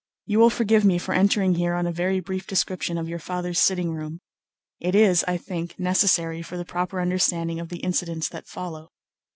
You will forgive me for entering here on a very brief description of your father's sitting room. It is, I think, necessary for the proper understanding of the incidents that follow.